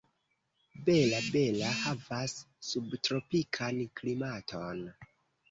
Bela-Bela havas subtropikan klimaton.